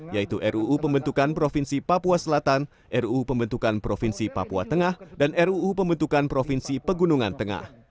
yaitu ruu pembentukan provinsi papua selatan ruu pembentukan provinsi papua tengah dan ruu pembentukan provinsi pegunungan tengah